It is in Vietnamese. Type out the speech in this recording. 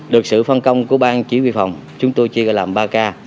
được sự phân công của bang chỉ huy phòng chúng tôi chia làm ba k